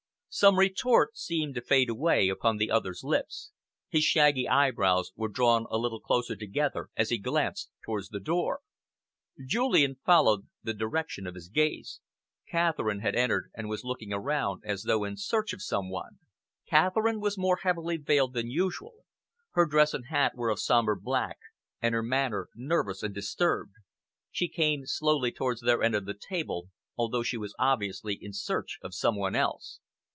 Some retort seemed to fade away upon the other's lips. His shaggy eyebrows were drawn a little closer together as he glanced towards the door. Julian followed the direction of his gaze. Catherine had entered and was looking around as though in search of some one. Catherine was more heavily veiled than usual. Her dress and hat were of sombre black, and her manner nervous and disturbed. She came slowly towards their end of the table, although she was obviously in search of some one else.